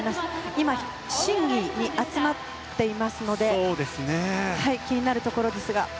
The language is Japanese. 今、審議に集まっていますので気になるところですが。